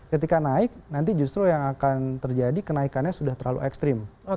ketika naik nanti justru yang akan terjadi kenaikannya sudah terlalu ekstrim